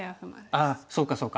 あそうかそうか。